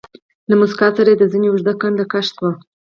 له موسکا سره يې د زنې اوږده کنده کش شوه.